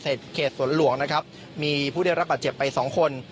เขตสวนหลวงนะครับมีผู้ได้รับบาดเจ็บไปสองคน